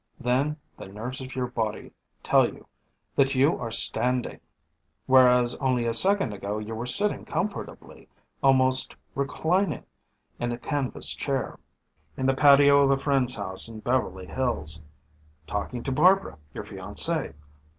Then the nerves of your body tell you that you are standing, whereas only a second ago you were sitting comfortably, almost reclining, in a canvas chair. In the patio of a friend's house in Beverly Hills. Talking to Barbara, your fiancée.